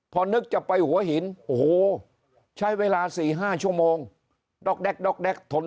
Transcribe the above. พอนึกจะไปหัวหินใช้เวลา๔๕ชั่วโมงดอกแดกดอกแดกทน